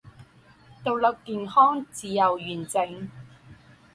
独立健康自由完整